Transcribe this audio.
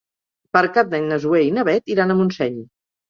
Per Cap d'Any na Zoè i na Bet iran a Montseny.